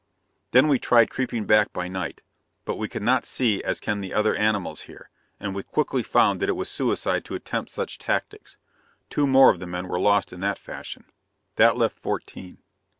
"Then we tried creeping back by night; but we could not see as can the other animals here, and we quickly found that it was suicide to attempt such tactics. Two more of the men were lost in that fashion. That left fourteen.